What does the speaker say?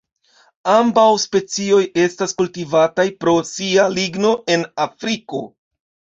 Ambaŭ specioj estas kultivataj pro sia ligno en Afriko.